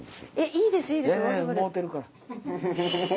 いいですいいです。